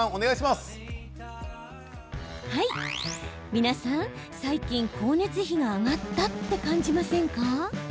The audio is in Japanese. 皆さん最近、光熱費が上がったって感じませんか？